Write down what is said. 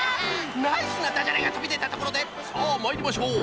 ナイスなダジャレがとびでたところでさあまいりましょう。